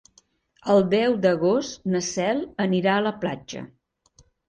El deu d'agost na Cel anirà a la platja.